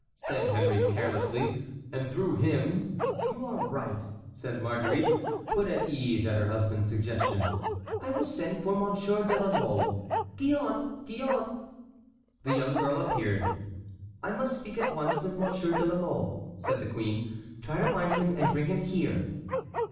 said Henry, carelessly, "and through him"— "You are right," said Marguerite, put at her ease at her husband's suggestion. "I will send for Monsieur de la Mole. Gillonne! Gillonne!" The young girl appeared. "I must speak at once with Monsieur de la Mole," said the queen. "Try to find him and bring him here."